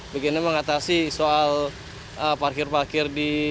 begini mengatasi soal parkir parkir di